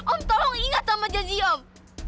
om tolong ingat sama janji om